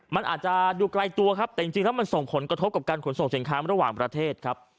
มันอาจจะดูไกลตัวครับแต่จริงแล้วมันส่งผลกระทบกับการขนส่งสินค้าระหว่างประเทศครับ